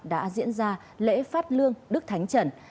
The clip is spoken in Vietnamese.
đã diễn ra lễ phát ấn